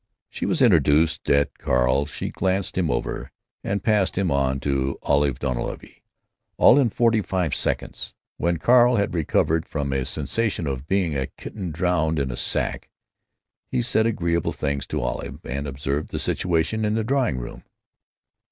She was introduced at Carl, she glanced him over, and passed him on to Olive Dunleavy, all in forty five seconds. When Carl had recovered from a sensation of being a kitten drowned in a sack, he said agreeable things to Olive, and observed the situation in the drawing room.